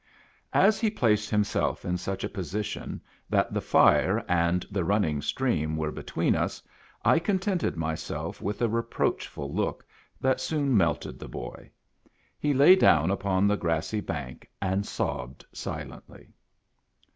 As he placed himself in such a position that the fire and the running stream were between us, I con tented myself with a reproachful look, that soon melted the boy. He lay down upon the grassy bank and sobbed silently.